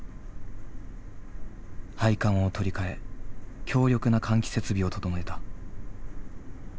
配管を取り替え強力な換気設備を整えた。